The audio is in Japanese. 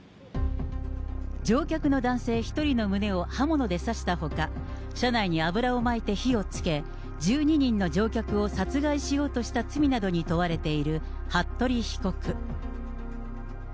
乗客の男性１人の胸を刃物で刺したほか、車内に油をまいて火をつけ、１２人の乗客を殺害しようとした罪などに問われている服部被告。